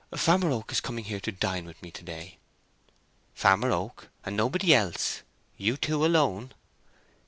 "Farmer Oak is coming here to dine with me to day!" "Farmer Oak—and nobody else?—you two alone?"